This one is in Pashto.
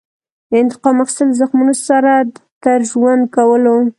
د انتقام اخیستل د زخمونو سره تر ژوند کولو.